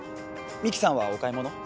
美樹さんはお買い物？